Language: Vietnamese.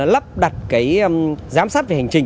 lắp đặt giám sát về hành trình